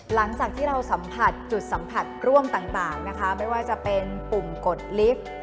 หลังจากที่เราสัมผัสจุดสัมผัสร่วมต่างนะคะไม่ว่าจะเป็นปุ่มกดลิฟต์